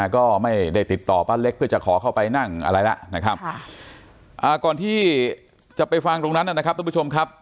ก็ไม่ได้ติดต่อป้าเล็กเพื่อจะขอเข้าไปนั่งอะไรแล้วนะครับก่อนที่จะไปฟังตรงนั้นนะครับทุกผู้ชมครับ